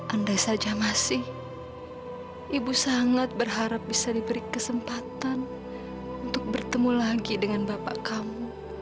andai saja masih ibu sangat berharap bisa diberi kesempatan untuk bertemu lagi dengan bapak kamu